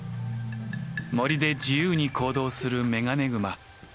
森で自由に行動するメガネグマ。